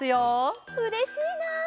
うれしいな！